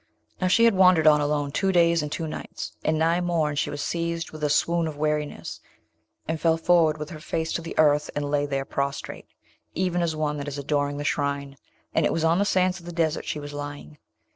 Now, she had wandered on alone two days and two nights, and nigh morn she was seized with a swoon of weariness, and fell forward with her face to the earth, and lay there prostrate, even as one that is adoring the shrine; and it was on the sands of the desert she was lying.